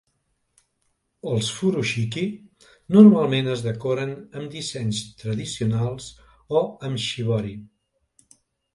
Els "Furoshiki" normalment es decoren amb dissenys tradicionals o amb shibori.